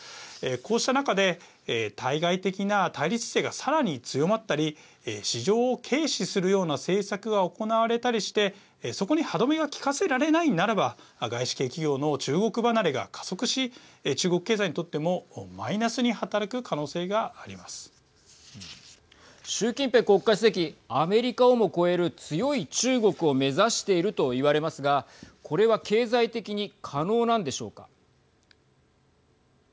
こうした中で対外的な対立姿勢がさらに強まったり市場を軽視するような政策が行われたりしてそこに歯止めが利かせられないならば外資系企業の中国離れが加速し中国経済にとってもマイナスに習近平国家主席アメリカをも超える強い中国を目指していると言われますがこれは経済的に可能なんでしょうか。